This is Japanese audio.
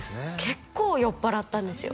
結構酔っぱらったんですよ